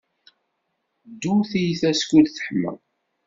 Ddu tiyita skud teḥma.